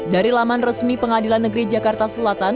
dari laman resmi pengadilan negeri jakarta selatan